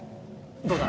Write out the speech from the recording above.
どうだ？